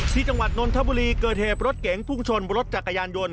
จังหวัดนนทบุรีเกิดเหตุรถเก๋งพุ่งชนรถจักรยานยนต์